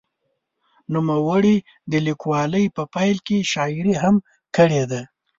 نوموړي د لیکوالۍ په پیل کې شاعري هم کړې ده.